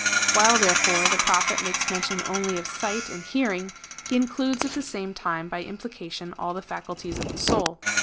Wliile, therefore, the Prophet makes mention only of sight and hearing, he includes at the same time by implication all the faculties of the soul.